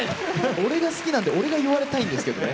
俺が好きなんで俺が言われたいんですけどね。